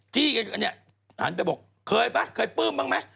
จี้กันเนี่ยหันไปบอกเคยปะเคยปลื้มบ้างมั้ย